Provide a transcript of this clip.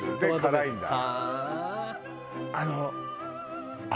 あの。